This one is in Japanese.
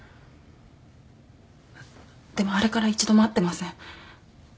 でもあれから一度も会ってません。